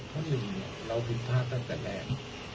เพราะนี่เนี่ยเราถึงภาพตั้งแต่แรง